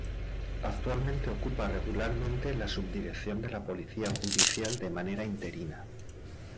Actualmente ocupa regularmente la subdirección de la Policía Judicial de manera interina.